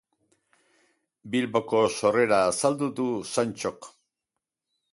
Bilboko sorrera azaldu du Santxok.